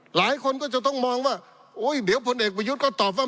หลายคนก็จะต้องมองว่าโอ้ยเดี๋ยวพลเอกประยุทธ์ก็ตอบว่า